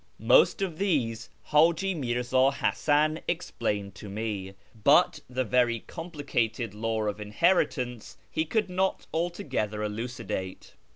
Most of these Haji Mirza Hasan ex plained to me, but the very complicated law of inheritance he could not altogether elucidate.